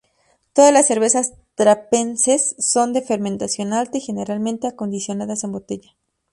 Todas las cervezas trapenses son de fermentación alta, y generalmente acondicionadas en botella.